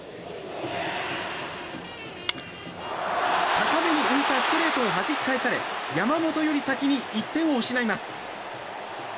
高めに浮いたストレートをはじき返され山本より先に１点を失います。